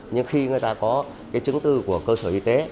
nhưng khi người ta có cái chứng tư của cơ sở y tế